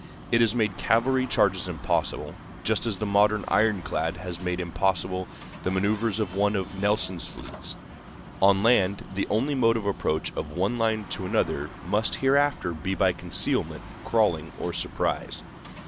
It has made cavalry charges impossible, just as the modern ironclad has made impossible the manœuvers of one of Nelson's fleets. On land, the only mode of approach of one line to another must hereafter be by concealment, crawling, or surprise.